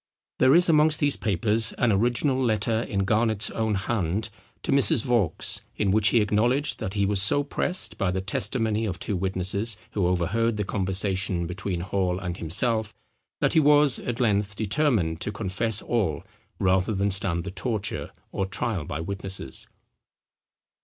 There is amongst these papers an original letter, in Garnet's own hand, to Mrs. Vaux, in which he acknowledged that he was so pressed by the testimony of two witnesses who overheard the conversation between Hall and himself, that he was, at length, determined to confess all rather than stand the torture or trial by witnesses.